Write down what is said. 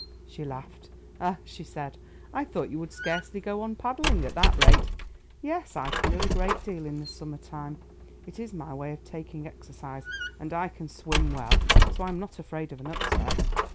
She laughed. "Ah," she said, "I thought you would scarcely go on paddling at that rate. Yes, I canoe a great deal in the summer time. It is my way of taking exercise, and I can swim well, so I am not afraid of an upset.